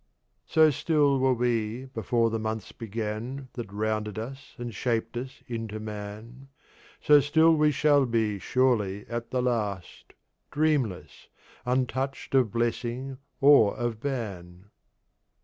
So still were we, before the Months began That rounded us and shaped us into Man. So still we shall be, surely, at the last, Dreamless, untouched of Blessing or of Ban!